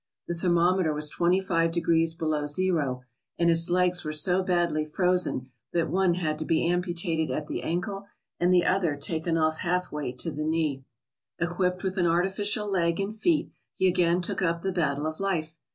The thermometer was twenty five degrees below zero and his legs were so badly frozen that one had to be amputated at the ankle and the other taken off half way to the knee. Equipped with an artificial leg and feet, he again took up the battle of life.